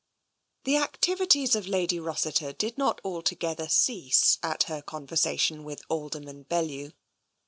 i XV The activities of Lady Rossiter did not altogether cease at her conversation with Alderman Bellew.